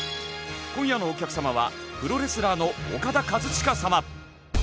今夜のお客様はプロレスラーのオカダ・カズチカ様。